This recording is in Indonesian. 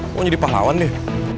mau jadi pahlawan dia